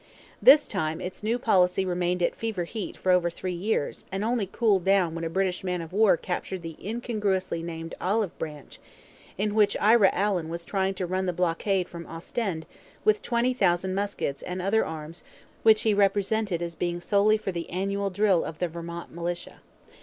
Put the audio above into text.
This time its new policy remained at fever heat for over three years and only cooled down when a British man of war captured the incongruously named Olive Branch, in which Ira Allen was trying to run the blockade from Ostend with twenty thousand muskets and other arms which he represented as being solely for the annual drill of the Vermont militia.